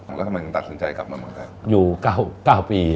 แล้วทำไมคุณตัดสินใจกลับมาเมืองไทย